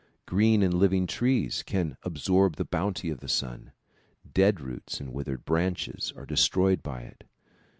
Green and living trees can absorb the bounty of the sun; dead roots and withered branches are destroyed by it.